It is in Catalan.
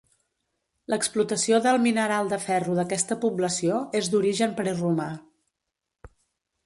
L'explotació del mineral de ferro d'aquesta població és d'origen preromà.